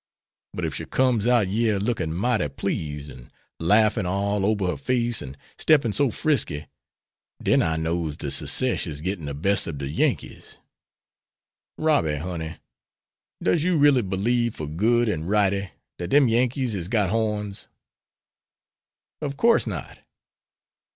But ef she comes out yere looking mighty pleased, an' larffin all ober her face, an' steppin' so frisky, den I knows de Secesh is gittin' de bes' ob de Yankees. Robby, honey, does you really b'lieve for good and righty dat dem Yankees is got horns?" "Of course not."